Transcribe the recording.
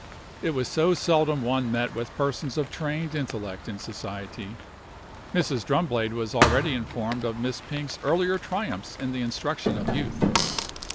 It was so seldom one met with persons of trained intellect in society. Mrs. Drumblade was already informed of Miss Pink's earlier triumphs in the instruction of youth.